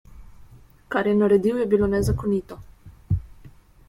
Kar je naredil, je bilo nezakonito.